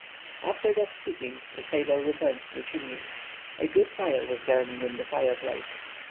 After thus speaking the sailor returned to the Chimneys. A good fire was burning in the fireplace.